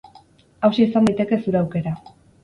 Hauxe izan daiteke zure aukera.